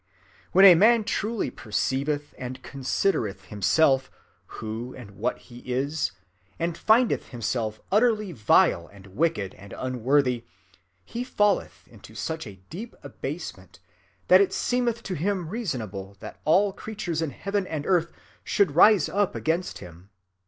When a man truly perceiveth and considereth himself, who and what he is, and findeth himself utterly vile and wicked and unworthy, he falleth into such a deep abasement that it seemeth to him reasonable that all creatures in heaven and earth should rise up against him.